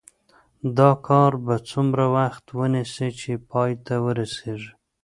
دا کار به څومره وخت ونیسي چې پای ته ورسیږي؟